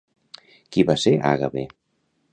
Qui va ser Àgave?